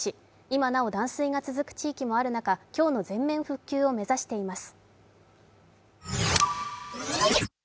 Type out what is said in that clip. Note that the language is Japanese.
今なお断水が続く地域もある中、今日の全面復旧を目指しています。